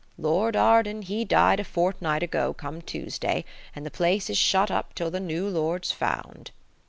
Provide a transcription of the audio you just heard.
"Lord Arden, he died a fortnight ago come Tuesday, and the place is shut up till the new lord's found."